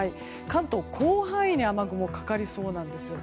関東、広範囲に雨雲がかかりそうなんですよ。